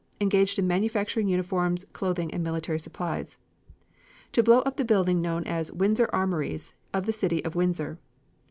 engaged in manufacturing uniforms, clothing and military supplies ... "To blow up the building known as the Windsor Armories of the City of Windsor.